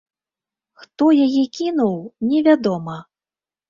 Хто яе кінуў, невядома.